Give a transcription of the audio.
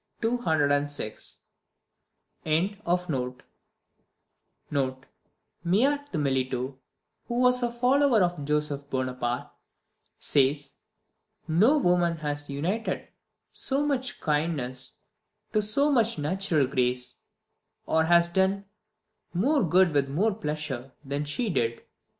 206).] [Miot de Melito, who was a follower of Joseph Bonaparte, says, "No woman has united so much kindness to so much natural grace, or has done more good with more pleasure than she did.